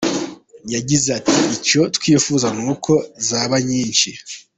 Yagize ati “Icyo twifuza ni uko zaba nyinshi.